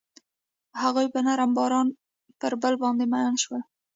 هغوی په نرم باران کې پر بل باندې ژمن شول.